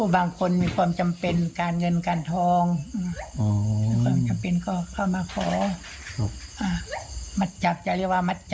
บางอย่างส่วนมากก็จากหลักฐาน